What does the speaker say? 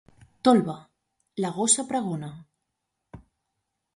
Tolba, la gossa pregona.